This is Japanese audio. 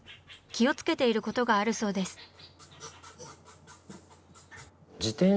気をつけていることがあるそうです。